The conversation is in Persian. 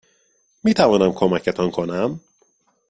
میتوانم کمکتان کنم؟